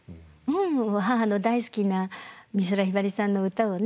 母の大好きな美空ひばりさんの歌をね